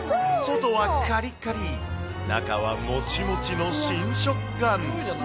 外はかりかり、中はもちもちの新食感。